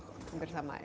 hampir sama ya